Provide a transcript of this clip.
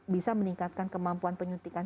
bisa meningkatkan kemampuan penyuntikan